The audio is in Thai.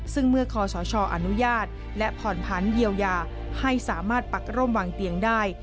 ซึ่งเมื่อคศอนุญาตและผ่อนผันเยียวยาให้สามารถปักร่มวางเตียงได้